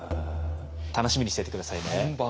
楽しみにしていて下さいね。